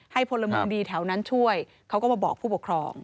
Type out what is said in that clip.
พลเมืองดีแถวนั้นช่วยเขาก็มาบอกผู้ปกครอง